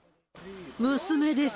娘です。